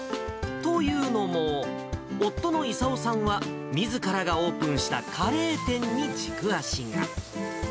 というのも、夫の勲さんは、みずからがオープンしたカレー店に軸足が。